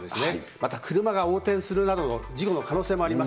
また車が横転するなどの事故の可能性もあります。